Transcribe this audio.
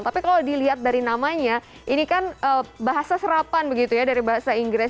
tapi kalau dilihat dari namanya ini kan bahasa serapan begitu ya dari bahasa inggris